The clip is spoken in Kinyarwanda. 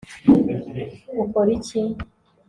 ukora iki